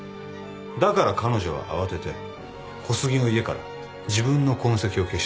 だから彼女は慌てて小杉の家から自分の痕跡を消したんだ。